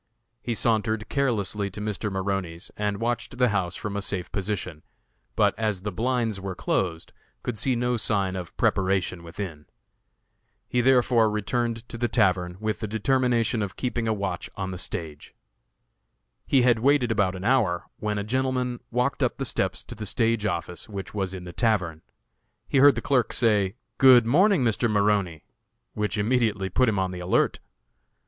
He sauntered carelessly to Mr. Maroney's, and watched the house from a safe position, but, as the blinds were closed, could see no signs of preparation within. He therefore returned to the tavern, with the determination of keeping a watch on the stage. He had waited about an hour, when a gentleman walked up the steps to the stage office, which was in the tavern. He heard the clerk say, "Good morning, Mr. Maroney," which immediately put him on the alert.